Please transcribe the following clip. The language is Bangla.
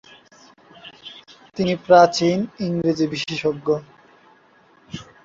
তিনি প্রাচীন ইংরেজি-বিশেষজ্ঞ।